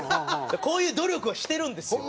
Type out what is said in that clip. こういう努力はしてるんですよ。